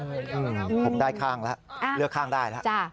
ผมได้คางแล้วเลือกคางได้แล้ว